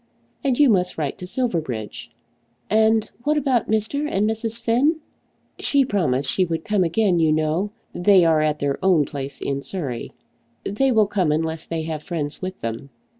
"And you must write to Silverbridge." "And what about Mr. and Mrs. Finn?" "She promised she would come again, you know. They are at their own place in Surrey. They will come unless they have friends with them.